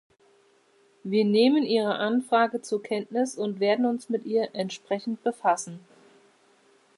Wir nehmen ihre Anfrage zur Kenntnis und werden uns mit ihr entsprechend befassen.